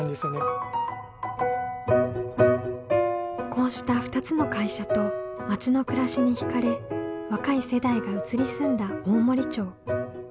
こうした２つの会社と町の暮らしに惹かれ若い世代が移り住んだ大森町。